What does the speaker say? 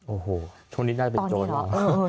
โอ้โหช่วงนี้น่าจะเป็นโจร